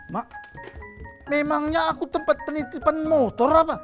mak memangnya aku tempat penitipan motor apa